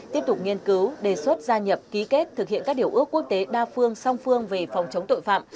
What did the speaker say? tiếp tục nghiên cứu đề xuất gia nhập ký kết thực hiện các điều ước quốc tế đa phương song phương về phòng chống tội phạm